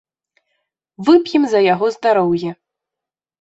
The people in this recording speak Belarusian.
Вып'ем за яго здароўе!